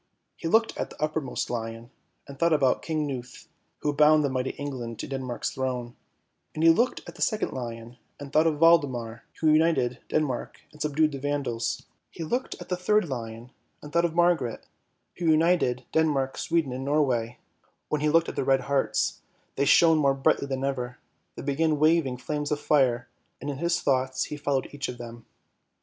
" He looked at the uppermost lion, and thought about King Knuth who bound the mighty England to Denmark's throne; and he looked at the second lion and thought of Waldemar, who united Denmark and subdued the Vandals. He looked at the third lion and thought of Margaret, who united 1 The Danish Arms consist of three lions between nine hearts. HOLGER THE DANE 227 Denmark, Sweden and Norway; when he looked at the red hearts, they shone more brightly than ever, they became waving flames of fire, and in his thoughts he followed each of them.